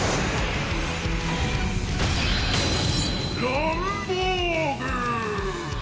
ランボーグ！